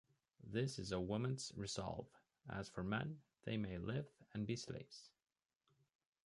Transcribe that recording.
This is a woman's resolve; as for men, they may live and be slaves.